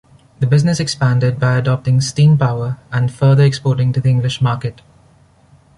The business expanded by adopting steam power and further exporting to the English market.